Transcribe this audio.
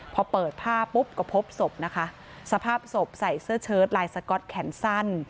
พอเปิดผ้าปุ๊บก็พบศพนะคะสภาพศพใส่เสื้อเชิดลายสก๊อตแขนสั้น